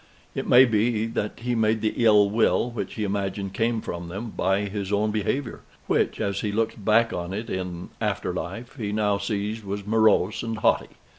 It may be that he made the ill will, which he imagined came from them, by his own behavior, which, as he looks back on it in after life, he now sees was morose and haughty.